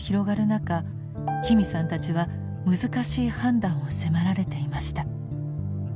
中紀美さんたちは難しい判断を迫られていました。